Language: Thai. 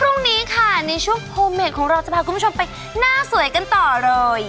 พรุ่งนี้ค่ะในช่วงโปรเมทของเราจะพาคุณผู้ชมไปหน้าสวยกันต่อเลย